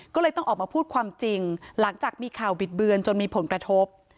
ก็เลยต้องออกมาพูดความจริงหลังจากมีข่าวบิดเบือนจนมีผลกระทบ